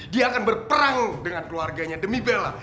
dia akan berperang dengan keluarganya demi bela